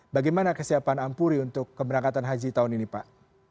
bagaimana kesiapan ampuri untuk keberangkatan haji tahun ini pak